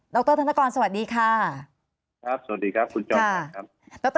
ดรธนกรสวัสดีค่ะครับสวัสดีครับคุณจอมค่ะ